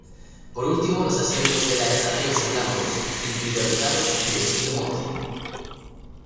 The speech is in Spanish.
Por último, los asientos de la estación son blancos, individualizados y de estilo "Motte".